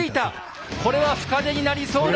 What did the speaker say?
これは深手になりそうだ！